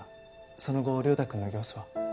その後涼太くんの様子は。